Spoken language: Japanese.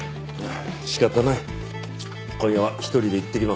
仕方ない今夜は一人で行ってきます。